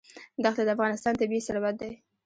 دښتې د افغانستان طبعي ثروت دی.